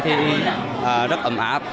thì rất ấm áp